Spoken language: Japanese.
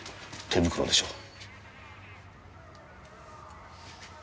手袋でしょう。